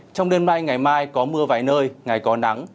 trong đêm mai ngày mai có mưa vài nơi ngày có nắng